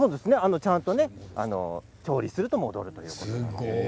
ちゃんと調理すると戻るということなんです。